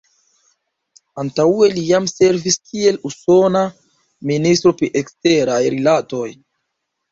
Antaŭe li jam servis kiel usona ministro pri eksteraj rilatoj.